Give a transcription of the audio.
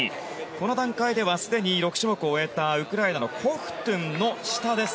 この段階ではすでに６種目を終えたウクライナのコフトゥンの下です。